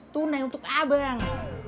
tunai untuk abang